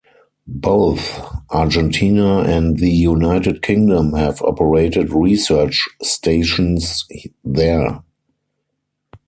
Both Argentina and the United Kingdom have operated research stations there.